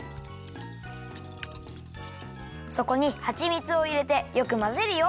そこにはちみつをいれてよくまぜるよ。